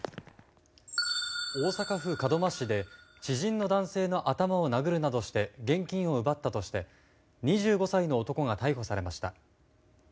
大阪府門真市で知人の男性の頭を殴るなどして現金を奪ったとして２５歳の男が逮捕されました。